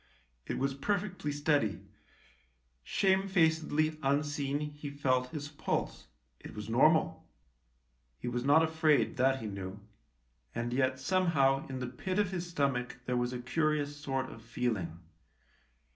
It was perfectly steady ; shame facedly — unseen — he felt his pulse, it was normal : he was not afraid, that he knew — and yet, somehow, in the pit of his stomach there was a curious sort of feeling.